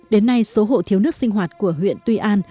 đến nay số hộ thiếu nước sinh hoạt của huyện tuy an